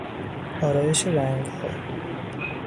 آرایش رنگها